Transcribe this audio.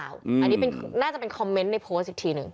อันนี้น่าจะเป็นคอมเมนต์ในโพสต์อีกทีหนึ่ง